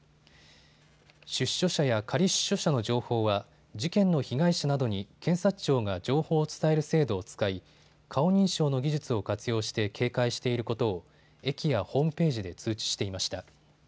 出所者や仮出所者の情報は事件の被害者などに検察庁が情報を伝える制度を使い顔認証の技術を活用して警戒していることを駅やホームページで通知していました。